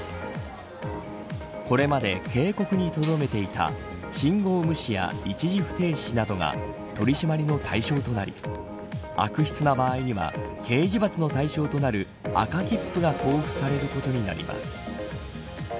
これまで警告にとどめていた信号無視や一時不停止などが取り締まりの対象となり悪質な場合には刑事罰の対象となる赤切符が交付されることになります。